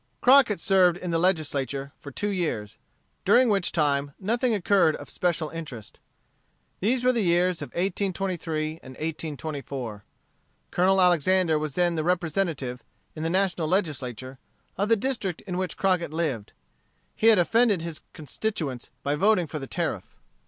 Crockett served in the Legislature for two years, during which time nothing occurred of special interest. These were the years of 1823 and 1824. Colonel Alexander was then the representative, in the National Legislature, of the district in which Crockett lived. He had offended his constituents by voting for the Tariff.